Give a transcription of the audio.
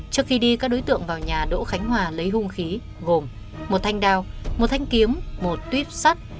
trước khi đi các đối tượng vào nhà đỗ khánh hòa lấy hung khí gồm một thanh đao một thanh kiếm một tuyếp sắt